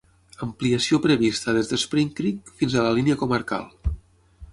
Ampliació prevista des de Spring Creek fins a la línia comarcal.